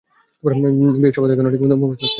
বিয়ের শপথ এখনো ঠিকমতো মুখস্থ হচ্ছে না।